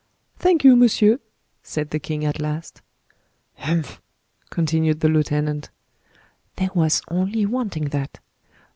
"Thank you, monsieur," said the king at last. "Humph!" continued the lieutenant; "there was only wanting that.